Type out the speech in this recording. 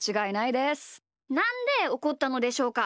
なんでおこったのでしょうか？